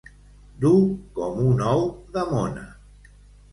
Dur com un ou de mona.